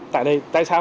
tại đây tại sao